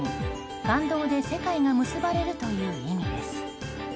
感動で世界が結ばれるという意味です。